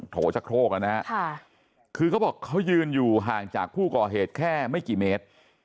โฉชะโครกนะฮะคือเขาบอกเขายืนอยู่ห่างจากผู้ก่อเหตุแค่ไม่กี่เมตร